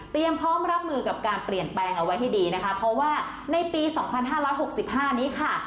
พร้อมรับมือกับการเปลี่ยนแปลงเอาไว้ให้ดีนะคะเพราะว่าในปี๒๕๖๕นี้ค่ะ